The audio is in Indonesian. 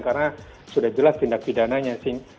karena sudah jelas tindak pidananya